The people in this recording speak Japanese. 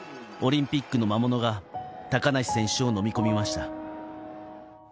オリンピックの魔物が高梨選手を飲み込みました。